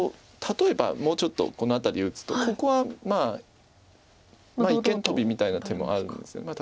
例えばもうちょっとこの辺り打つとここはまあ一間トビみたいな手もあるんです。